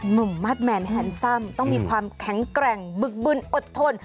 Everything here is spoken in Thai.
มาสแมนแฮนซัมต้องมีความแข็งแกร่งบึกบึนอดทน